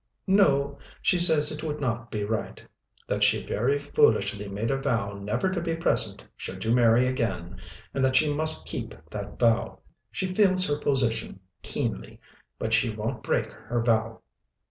"No. She says it would not be right. That she very foolishly made a vow never to be present should you marry again, and that she must keep that vow. She feels her position keenly, but she won't break her vow."